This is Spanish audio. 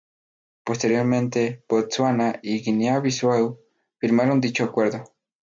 Posteriormente Botsuana y Guinea-Bisáu firmaron dicho acuerdo.